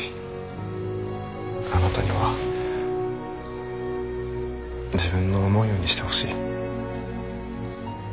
あなたには自分の思うようにしてほしい。